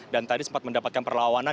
dan tadi sempat mendapatkan perlawanan